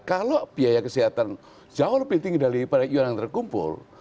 kalau biaya kesehatan jauh lebih tinggi daripada iuran yang terkumpul